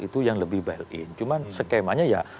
itu yang lebih buil in cuman skemanya ya